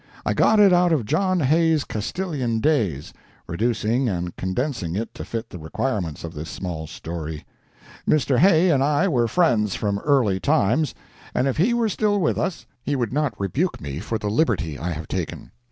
I got it out of John Hay's Castilian Days, reducing and condensing it to fit the requirements of this small story. Mr. Hay and I were friends from early times, and if he were still with us he would not rebuke me for the liberty I have taken.